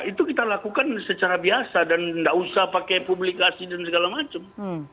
itu kita lakukan secara biasa dan tidak usah pakai publikasi dan segala macam